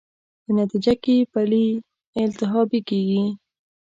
په نتېجه کې پلې التهابي کېږي.